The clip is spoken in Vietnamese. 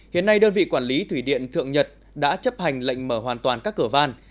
hiện nay đơn vị quản lý thủy điện thượng nhật đã chấp hành lệnh mở hoàn toàn các cửa van